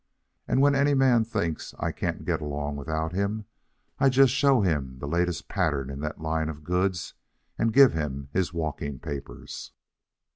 And when any man thinks I can't get along without him, I just show him the latest pattern in that line of goods and give him his walking papers."